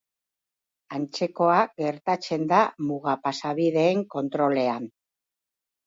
Antzekoa gertatzen da muga-pasabideen kontrolean.